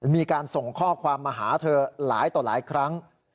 มีการส่งข้อความมาหาเธอหลายต่อหลายครั้ง